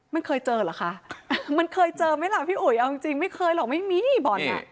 มันเคยเจอเหรอคะมันเคยเจอไหมล่ะพี่อุ๋ยเอาจริงจริงไม่เคยหรอกไม่มีบ่อนอ่ะ